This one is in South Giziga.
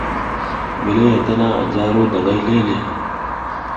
Mbela ya tana, anji a ro aƞ daƞgay zleʼzle.